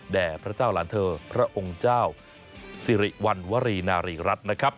พระเจ้าหลานเธอพระองค์เจ้าสิริวัณวรีนารีรัฐนะครับ